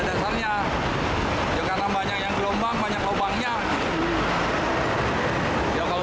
diuruk uruk kayak gitu